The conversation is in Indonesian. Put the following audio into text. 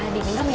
ini minuman ya